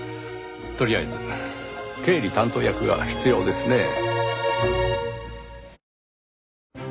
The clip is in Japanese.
とりあえず経理担当役が必要ですねぇ。